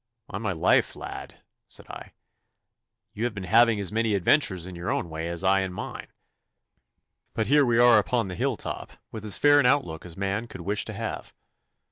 'On my life, lad,' said I, 'you have been having as many adventures in your own way as I in mine. But here we are upon the hill top, with as fair an outlook as man could wish to have.